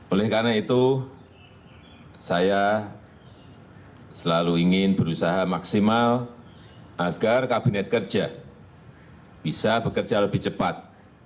oleh karena itu saya selalu ingin berusaha maksimal agar kabinet kerja bisa bekerja lebih cepat